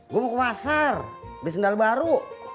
gue mau ke pasar di sendal baru